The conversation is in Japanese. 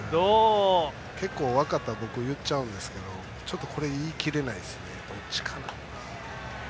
結構、分かったら僕、言っちゃうんですけどちょっとこれ言い切れないですねどっちかな。